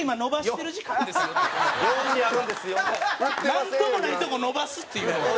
なんともないとこ伸ばすっていう。